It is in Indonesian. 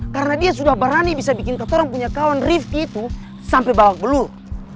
karena dia sudah berani bisa bikin katorang punya kawan rifqi itu sampai bawak belur